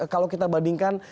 kalau kita bandingkan